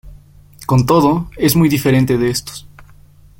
Con todo, es muy diferente de estos.